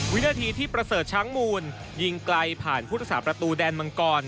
วินาทีที่ประเสริฐช้างมูลยิงไกลผ่านพุทธศาสตประตูแดนมังกร